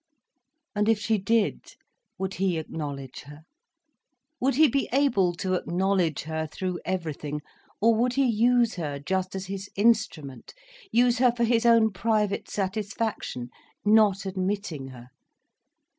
And if she did, would he acknowledge her? Would he be able to acknowledge her through everything, or would he use her just as his instrument, use her for his own private satisfaction, not admitting her?